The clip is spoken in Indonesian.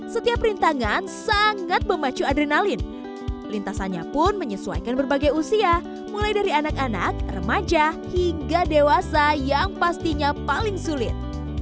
setiap rintangan sangat memacu adrenalin lintasannya pun menyesuaikan berbagai usia mulai dari anak anak remaja hingga dewasa yang pastinya paling sulit